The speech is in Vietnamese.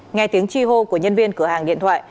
nghe tiếng chi hô của nhân viên cửa hàng điện thoại